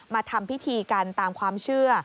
มาทำพิธีกันตามความเชื่อ